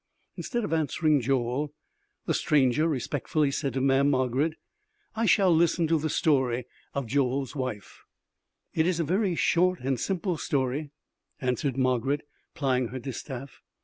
Instead of answering Joel, the stranger respectfully said to Mamm' Margarid: "I shall listen to the story of Joel's wife." "It is a very short and simple story," answered Margarid plying her distaff.